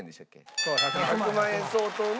１００万円相当の。